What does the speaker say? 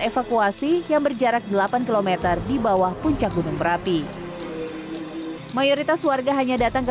evakuasi yang berjarak delapan km di bawah puncak gunung merapi mayoritas warga hanya datang ke